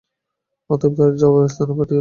অতএব এর জবাব এস্থানে আর পাঠিও না।